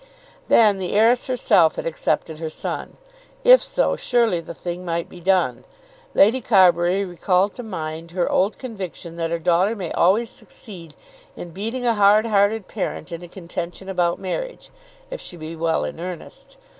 Then the heiress herself had accepted her son! If so, surely the thing might be done. Lady Carbury recalled to mind her old conviction that a daughter may always succeed in beating a hard hearted parent in a contention about marriage, if she be well in earnest.